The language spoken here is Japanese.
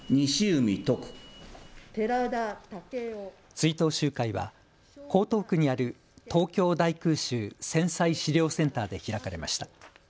追悼集会は江東区にある東京大空襲・戦災資料センターで開かれました。